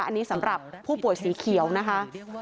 อันนี้สำหรับผู้ป่วยสีเขียวนะคะ